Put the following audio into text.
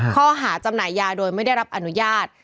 ข้อหาจำหน่ายยาโดยไม่ได้รับอนุญาต